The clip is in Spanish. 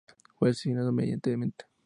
Fue asesinado inmediatamente.